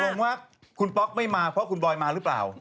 งงว่าคุณป๊อกไม่มาเพราะคุณบอยมาหรือเปล่า